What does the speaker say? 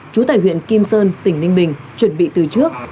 chú tài huyện kim sơn tỉnh ninh bình chuẩn bị từ trước